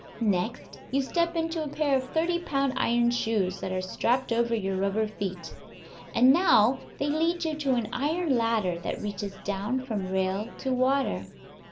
Next you step into a pair of thirty pound iron shoes that are strapped over your rubber feet. And now they lead you to an iron ladder that reaches down from rail to water.